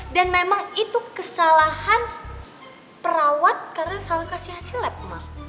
dan memang itu kesalahan perawat karena salah kasih hasil lab ma